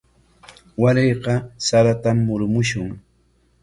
Warayqa saratam murumushun.